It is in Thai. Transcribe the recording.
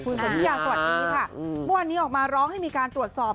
วันนี้ออกมาร้องให้มีการตรวจสอบ